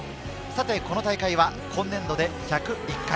この大会は今年度で１０１回。